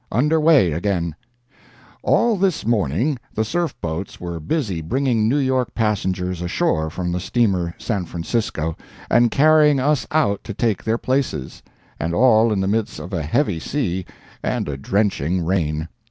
UNDER WAY AGAIN ALL this morning the surf boats were busy bringing New York passengers ashore from the steamer San Francisco, and carrying us out to take their places—and all in the midst of a heavy sea and a drenching rain.